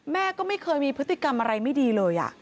แม่ก็ไม่เคยมีพฤติกรรมอะไรไม่ดีเลย